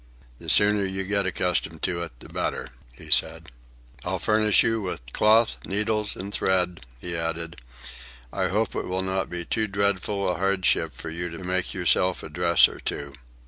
"The sooner you get accustomed to it, the better," he said. "I'll furnish you with cloth, needles, and thread," he added. "I hope it will not be too dreadful a hardship for you to make yourself a dress or two."